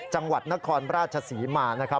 จังหวัดนครราชศรีมานะครับ